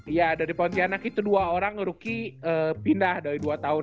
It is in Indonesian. iya dari pontianak itu dua orang ruki pindah dari dua tahun